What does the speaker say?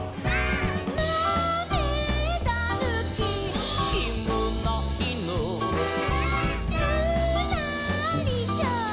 「まめだぬき」「」「きむないぬ」「」「ぬらりひょん」